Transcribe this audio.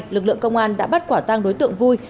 lực lượng công an đã bắt quả tang đối tượng vui